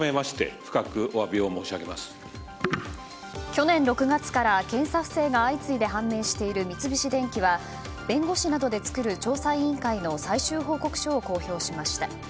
去年６月から検査不正が相次いで判明している三菱電機は弁護士などで作る調査委員会の最終報告書を公表しました。